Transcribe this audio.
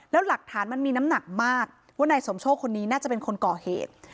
แล้วหลักฐานมันมีน้ำหนักมากว่านายสมโชคคนนี้น่าจะเป็นคนก่อเหตุ